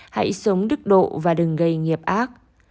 hãy sống đức độ và đừng gây nghiệp ác